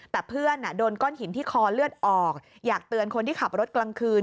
แต่เพื่อนโดนก้อนหินที่คอเลือดออกอยากเตือนคนที่ขับรถกลางคืน